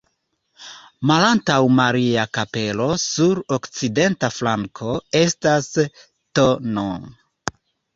Malantaŭ Maria-kapelo sur okcidenta flanko estas tn.